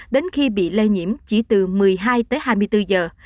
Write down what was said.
đến khi bị lây nhiễm chỉ từ một mươi hai tới hai mươi bốn giờ